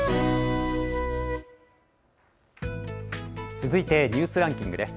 続いてニュースランキングです。